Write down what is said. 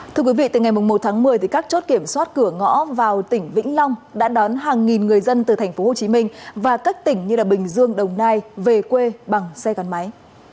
thưa quý vị từ ngày một tháng một mươi các chốt kiểm soát cửa ngõ vào tỉnh vĩnh long đã đón hàng nghìn người dân từ tp hcm và các tỉnh như bình dương đồng nai về quê bằng xe gắn máy